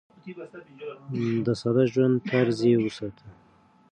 د ساده ژوند طرز يې وساته.